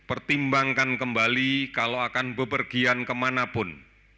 pertimbangkan kembali kalau akan bepergian kemanapun